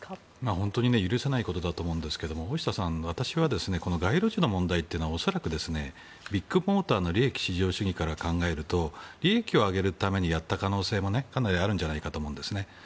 本当に許せないことだと思いますが私は、この街路樹の問題というのは恐らくビッグモーターの利益至上主義から考えると利益を上げるためにやった可能性もかなりあるんじゃないかと思うんです。